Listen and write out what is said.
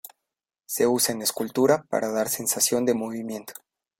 Se usa en escultura para dar sensación de movimiento.